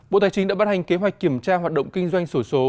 bộ tài chính đã bắt hành kế hoạch kiểm tra hoạt động kinh doanh sổ số